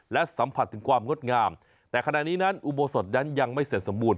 และสัมผัสถึงความงดงามแต่ขณะนี้นั้นอุโบสถนั้นยังไม่เสร็จสมบูรณ